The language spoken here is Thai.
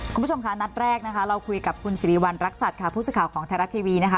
คุณผู้ชมค่ะนัดแรกนะคะเราคุยกับคุณสิริวัณรักษัตริย์ค่ะผู้สื่อข่าวของไทยรัฐทีวีนะคะ